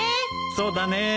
そうだねえ